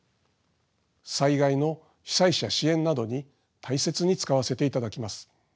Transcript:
災害の被災者支援などに大切に使わせて頂きます。